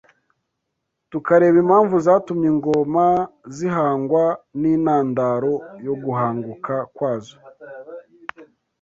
tukareba impamvu zatumye ingoma zihangwa n’intandaro yo guhanguka kwazo